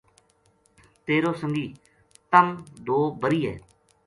تیر و سنگی تم دو بری ہے